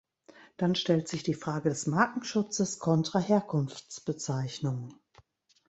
Dann stellt sich die Frage des Markenschutzes contra Herkunftsbezeichnung.